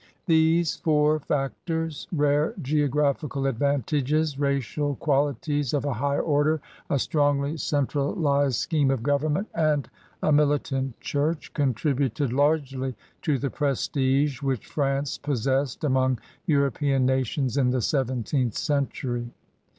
These four factors, rare geographical advantages, racial qualities of a high order, a strongly central 6 CRUSADERS OP NEW FRANCE ized scheme of government, and a militant church» contributed largely to the prestige which France possessed among European nations in the seven teenth century.